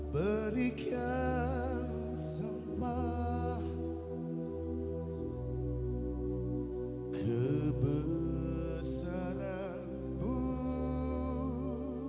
berikan sumpah kebesaran mu tuhan